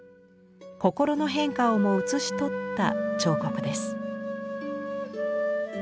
心の変化をも写し取った彫刻です。